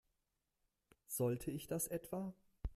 Sollte ich das etwa?